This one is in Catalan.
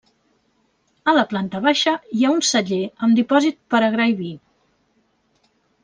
A la planta baixa hi ha un celler amb dipòsit per a gra i vi.